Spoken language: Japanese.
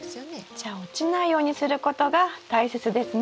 じゃあ落ちないようにすることが大切ですね。